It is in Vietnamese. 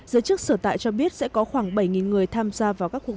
giới chức sở tại cho biết sẽ có khoảng bảy người tham gia